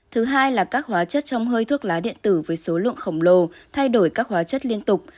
thứ hai là các hóa chất trong hơi thuốc lá điện tử với số lượng khổng lồ thay đổi các hóa chất liên tục